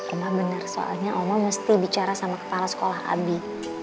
omah benar soalnya oma mesti bicara sama kepala sekolah abi